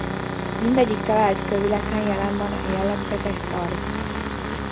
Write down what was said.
Mindegyik talált kövületen jelen van a jellegzetes szarv.